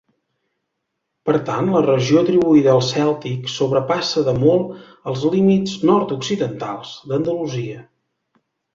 Per tant la regió atribuïda als cèltics sobrepassa de molt els límits nord-occidentals d'Andalusia.